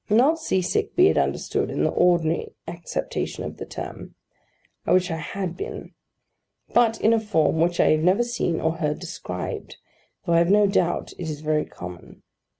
Not sea sick, be it understood, in the ordinary acceptation of the term: I wish I had been: but in a form which I have never seen or heard described, though I have no doubt it is very common.